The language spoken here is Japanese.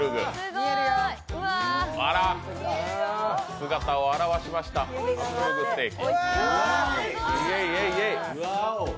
あら、姿を現しました、ハンブルグステーキ。